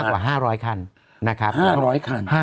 มากกว่า๕๐๐ครั้น